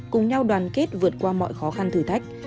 cùng nhau đoàn kết vượt qua mọi khó khăn thử thách